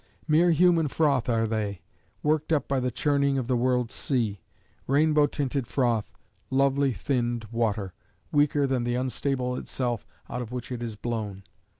Mere human froth are they, worked up by the churning of the world sea rainbow tinted froth, lovely thinned water, weaker than the unstable itself out of which it is blown.